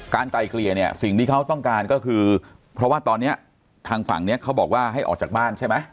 ไกลเกลี่ยเนี่ยสิ่งที่เขาต้องการก็คือเพราะว่าตอนนี้ทางฝั่งนี้เขาบอกว่าให้ออกจากบ้านใช่ไหม